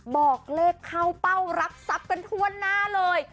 บอกเลขเข้าเป้ารับทรัพย์กันทั่วหน้าเลย